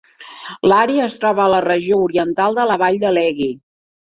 L'àrea es troba a la regió oriental de la vall de Lehigh.